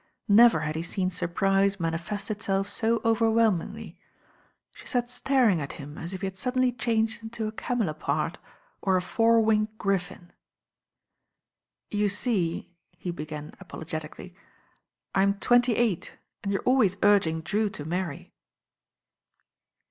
Never had he seen surprise manifest itself so overwhelmingly. She sat staring at him as if he had suddenly changed into a camelopard or a four winged griffin. ^ "You see," he began apologetically, "I'm twenty eight and you are always urging Drew to marry."